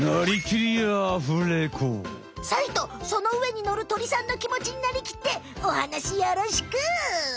サイとその上に乗る鳥さんのきもちになりきっておはなしよろしく！